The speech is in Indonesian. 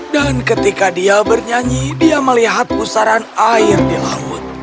dan ketika dia bernyanyi dia melihat pusaran air di laut